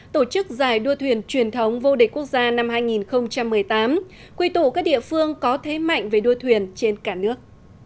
tổ chức giải đua thuyền truyền thống vô địch quốc gia năm hai nghìn một mươi tám quy tụ các địa phương có thế mạnh về đua thuyền trên cả nước